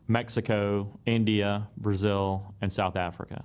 meksiko india brazil dan south africa